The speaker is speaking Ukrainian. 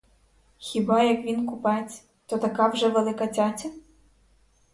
Хіба як він купець, то така вже велика цяця?